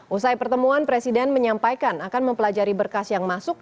usai pertemuan presiden menyampaikan akan mempelajari berkas yang masuk